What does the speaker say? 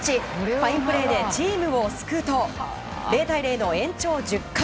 ファインプレーでチームを救うと０対０の延長１０回。